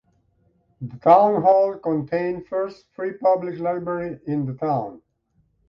The town hall contained first free public library in the town.